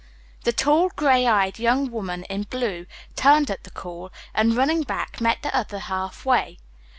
The tall, gray eyed young woman in blue turned at the call, and, running back, met the other half way.